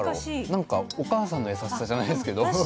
なんかお母さんの優しさじゃないですけど。